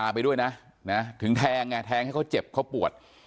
เป็นสัตว์หายากใช้เท่าทะเล